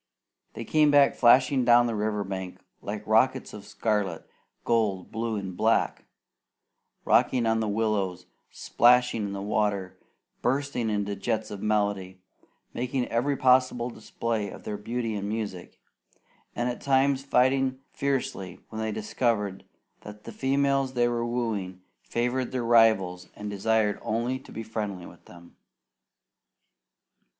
They came flashing down the river bank, like rockets of scarlet, gold, blue, and black; rocking on the willows, splashing in the water, bursting into jets of melody, making every possible display of their beauty and music; and at times fighting fiercely when they discovered that the females they were wooing favoured their rivals and desired only to be friendly with them.